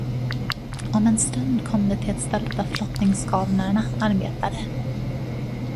Om en stund kom de till ett ställe där flottningskarlarna arbetade.